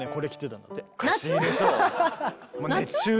おかしいでしょう。